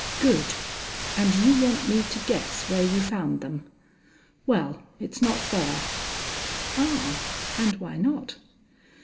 "Good! And you want me to guess where you found them? Well, it's not fair." "Ah, and why not?"